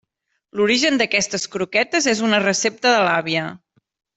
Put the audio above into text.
L'origen d'aquestes croquetes és una recepta de l'àvia.